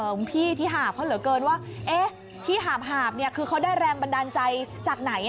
หลวงพี่ที่หาบเขาเหลือเกินว่าที่หาบคือเขาได้แรงบันดาลใจจากไหน